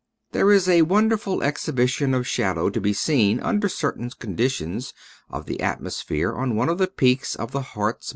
There is a wonderful exhibition of shadow to be seen under certain conditions of the atmosphere on one of the peaks of the Hartz / i